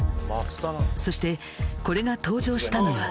そしてこれが登場したのは。